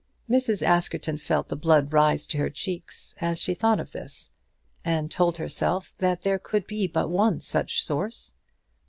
Mrs. Askerton felt the blood rise to her cheeks as she thought of this, and told herself that there could be but one such source.